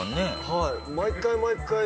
はい。